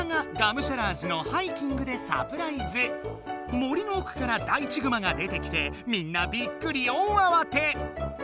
森のおくからダイチぐまが出てきてみんなびっくり大あわて！